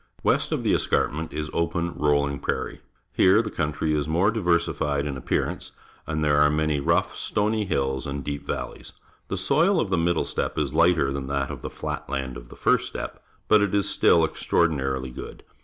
West of the es carpment is open, rolhng prairie. Here the country is more diversified in appear ance, and there are many rough, stony hills Ploughing with a Tractor, Manitoba and deep valleys. The soil of the middle steppe is Hghter than that of the flat land of the first steppe, but is still extraordinarily good.